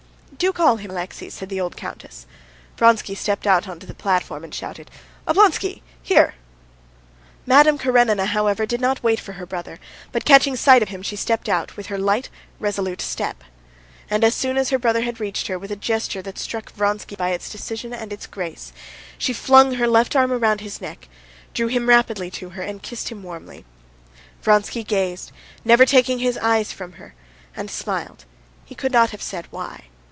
"Do call him, Alexey," said the old countess. Vronsky stepped out onto the platform and shouted: "Oblonsky! Here!" Madame Karenina, however, did not wait for her brother, but catching sight of him she stepped out with her light, resolute step. And as soon as her brother had reached her, with a gesture that struck Vronsky by its decision and its grace, she flung her left arm around his neck, drew him rapidly to her, and kissed him warmly. Vronsky gazed, never taking his eyes from her, and smiled, he could not have said why.